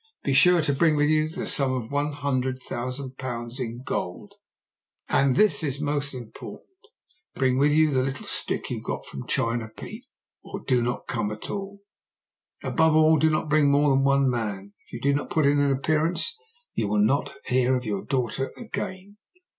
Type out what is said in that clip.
Be sure to bring with you the sum of _one hundred thousand pounds in gold, and this is most important bring with you the little stick you got from China Pete, or do not come at all_. Above all, do not bring more than one man. If you do not put in an appearance you will not hear of your daughter again.